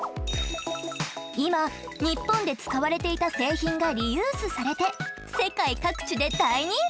今ニッポンで使われていた製品がリユースされて世界各地で大人気！